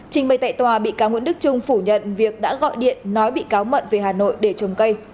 trình bày tại tòa bị cáo nguyễn đức trung phủ nhận việc đã gọi điện nói bị cáo mận về hà nội để trồng cây